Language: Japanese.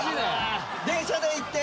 「電車で行って？」